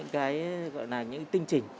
cái gọi là những tinh trình